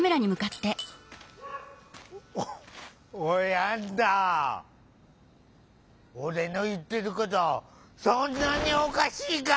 おいあんた俺の言ってることそんなにおかしいか？